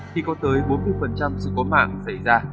khi có tới bốn mươi sự cố mạng xảy ra